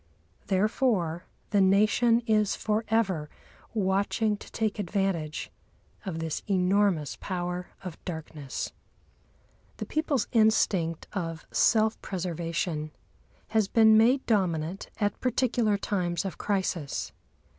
Therefore the Nation is for ever watching to take advantage of this enormous power of darkness. The people's instinct of self preservation has been made dominant at particular times of crisis.